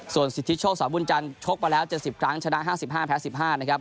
ส่วนสิทธิโชคสาวบุญจันทร์ชกมาแล้ว๗๐ครั้งชนะ๕๕แพ้๑๕นะครับ